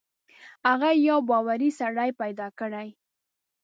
هغه یو باوري سړی پیدا کړي.